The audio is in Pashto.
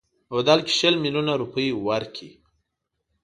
په بدل کې شل میلیونه روپۍ ورکړي.